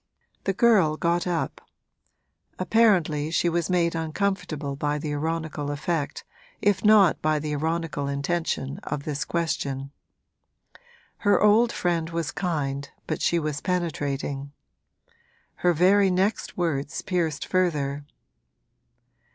The girl got up; apparently she was made uncomfortable by the ironical effect, if not by the ironical intention, of this question. Her old friend was kind but she was penetrating; her very next words pierced further.